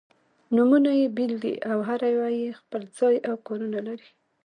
نومونه يې بېل دي او هره یوه یې خپل ځای او کار-ونه لري.